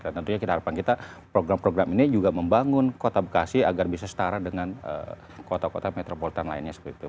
dan tentunya harapan kita program program ini juga membangun kota bekasi agar bisa setara dengan kota kota metropolitan lainnya